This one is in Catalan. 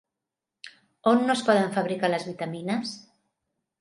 On no es poden fabricar les vitamines?